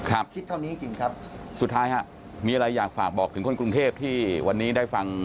คิดเท่านี้จริงจริงครับสุดท้ายฮะมีอะไรอยากฝากบอกถึงคนกรุงเทพที่วันนี้ได้ฟัง